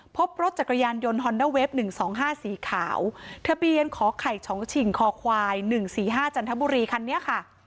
พบรถจักรยานยนต์ฮอนเด้อเวฟหนึ่งสองห้าสี่ขาวทะเบียนขอไข่ฉองฉิงคอควายหนึ่งสี่ห้าจันทรัพย์บุรีคันนี้ค่ะ